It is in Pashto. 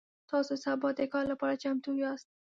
تاسو سبا د کار لپاره چمتو یاست؟